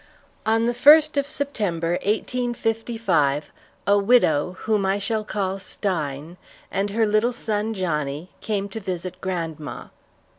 On the first of September, 1855, a widow, whom I shall call Stein, and her little son Johnnie, came to visit grandma.